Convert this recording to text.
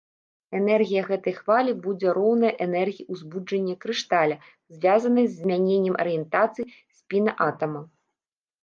Энергія гэтай хвалі будзе роўная энергіі ўзбуджэння крышталя, звязанай з змяненнем арыентацыі спіна атама.